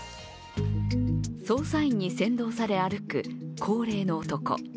捜査員に先導され歩く高齢の男。